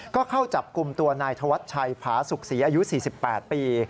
ก็เข้าจับกลุ่มตัวนายธวัชชัยผาสุขศรีอายุ๔๘ปี